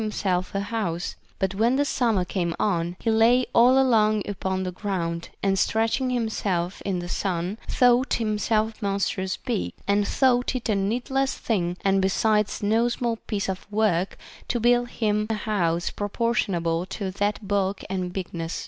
himself a house ; but when summer came on, he lay all along upon the ground, and stretching himself in the sun thought himself monstrous big, and thought it a needless thing and besides no small piece of work to build him a house proportionable to that bulk and bigness.